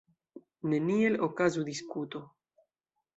Neniel okazu diskuto.